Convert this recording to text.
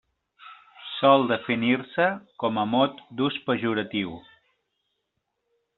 Sol definir-se com a mot d'ús pejoratiu.